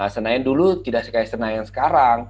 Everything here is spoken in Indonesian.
senayan dulu tidak sekaya senayan sekarang